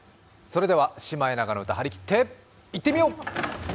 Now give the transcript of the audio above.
それでは「シマエナガの歌」、はりきっていってみよう！